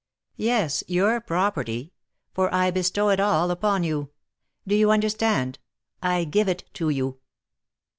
"Yes, your property; for I bestow it all upon you. Do you understand? I give it to you."